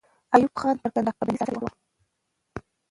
ایوب خان پر کندهار کلابندۍ ساتلې وه.